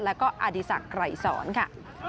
แล้วก็อดีศักดิ์ไกรสอนค่ะ